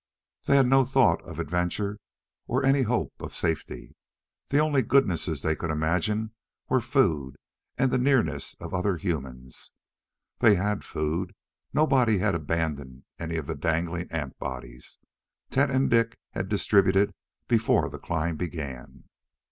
They had no thought of adventure or any hope of safety. The only goodnesses they could imagine were food and the nearness of other humans. They had food nobody had abandoned any of the dangling ant bodies Tet and Dik had distributed before the climb began.